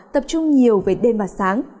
tập trung nhiều về đêm và sáng